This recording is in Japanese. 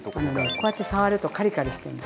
こうやって触るとカリカリしてるの。